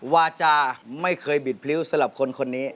วาจาไม่เคยบิดพลิ้วสำหรับคนนี้